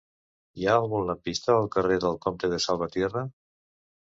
Hi ha algun lampista al carrer del Comte de Salvatierra?